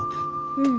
うん。